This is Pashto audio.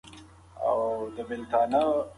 دا واقعه زموږ د دیني او اخلاقي زده کړو یوه برخه ده.